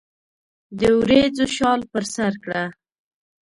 د وریځو شال پر سرکړه